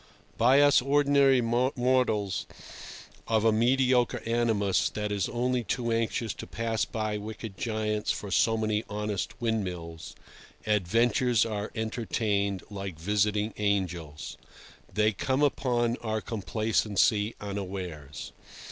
By us ordinary mortals of a mediocre animus that is only too anxious to pass by wicked giants for so many honest windmills, adventures are entertained like visiting angels. They come upon our complacency unawares.